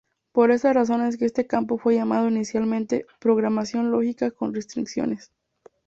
Por esta razón es que este campo fue llamado inicialmente Programación Lógica con Restricciones.